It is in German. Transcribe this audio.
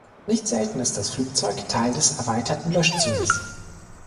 Nicht selten ist das Fahrzeug Teil des erweiterten Löschzuges.